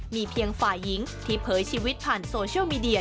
มีเพียงฝ่ายหญิงที่เผยชีวิตผ่านโซเชียลมีเดีย